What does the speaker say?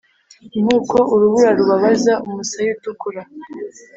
nkuko urubura rubabaza umusaya utukura.